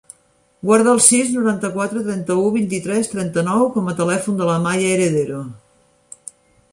Guarda el sis, noranta-quatre, trenta-u, vint-i-tres, trenta-nou com a telèfon de l'Amaia Heredero.